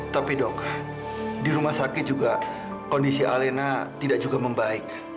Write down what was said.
tapi dok di rumah sakit juga kondisi alena tidak juga membaik